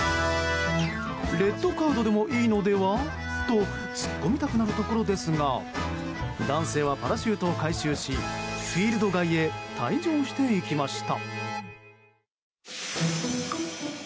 レッドカードでもいいのでは？とツッコみたくなるところですが男性はパラシュートを回収しフィールド外へ退場していきました。